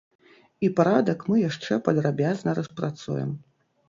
І парадак мы яшчэ падрабязна распрацуем.